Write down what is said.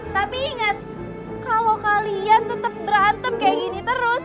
tapi inget kalau kalian tetep berantem kayak gini terus